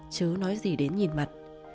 chứ nói gì đến nhìn mặt